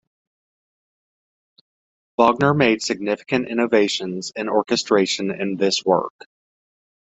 Wagner made significant innovations in orchestration in this work.